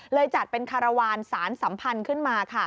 จัดเป็นคารวาลสารสัมพันธ์ขึ้นมาค่ะ